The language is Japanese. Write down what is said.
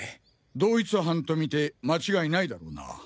同一犯と見て間違いないだろうな。